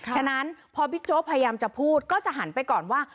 ฉะนั้นพอบิ๊กโจ๊กพยายามจะพูดก็จะหันไปก่อนว่า